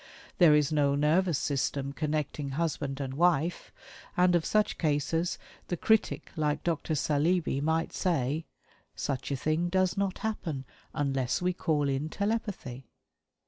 There is no nervous system connecting husband and wife, and of such cases the critic like Dr. Saleeby might say: "Such a thing does not happen UNLESS WE CALL IN TELEPATHY!"